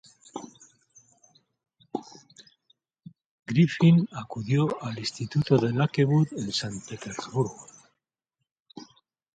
Griffin acudió al instituto de Lakewood en San Petersburgo.